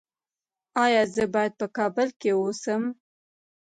ایا زه باید په کابل کې اوسم؟